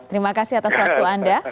terima kasih atas waktu anda